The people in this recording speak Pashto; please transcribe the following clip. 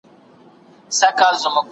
ښه انسان داسي ژوند خوښوي